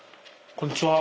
こんにちは。